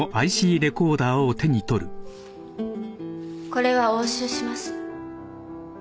これは押収します。